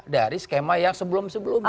dari skema yang sebelum sebelumnya